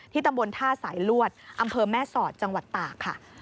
ตำบลท่าสายลวดอำเภอแม่สอดจังหวัดตากค่ะ